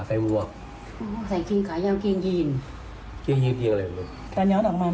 ใส่ถุงมือด้วยหรือเปล่าใส่ถุงมือ